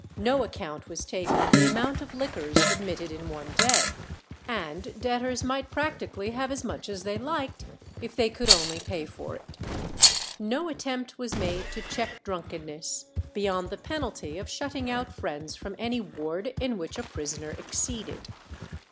No account was taken of the amount of liquors admitted in one day, and debtors might practically have as much as they liked, if they could only pay for it. No attempt was made to check drunkenness, beyond the penalty of shutting out friends from any ward in which a prisoner exceeded.